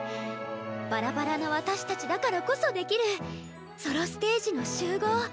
バラバラの私たちだからこそできるソロステージの集合。